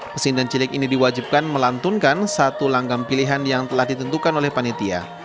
mesin dan cilik ini diwajibkan melantunkan satu langgam pilihan yang telah ditentukan oleh panitia